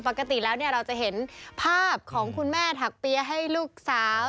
ปกติแล้วเนี่ยเราจะเห็นภาพของคุณแม่ถักเปี๊ยะให้ลูกสาว